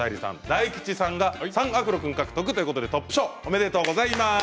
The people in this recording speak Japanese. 大吉さんが３アフロ君獲得ということでトップ賞おめでとうございます。